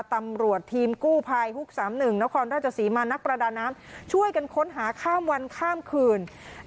ตำรวจทีมกู้ภัยฮุก๓๑นครราชศรีมานักประดาน้ำช่วยกันค้นหาข้ามวันข้ามคืน